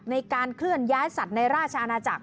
ในการเคลื่อนย้ายสัตว์ในราชอาณาจักร